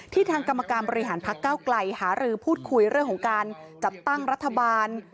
ทางกรรมการบริหารพักเก้าไกลหารือพูดคุยเรื่องของการจัดตั้งรัฐบาล